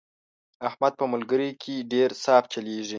احمد په ملګرۍ کې ډېر صاف چلېږي.